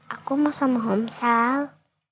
aku mau sama omsal